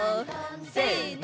せの！